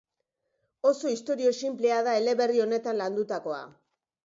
Oso istorio sinplea da eleberri honetan landutakoa.